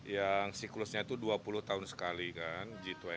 yang siklusnya itu dua puluh tahun sekali kan g dua puluh